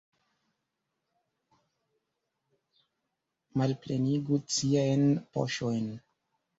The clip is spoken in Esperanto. Malplenigu ciajn poŝojn!